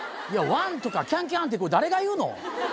いや「ワン」とか「キャンキャン」ってこれ誰が言うの？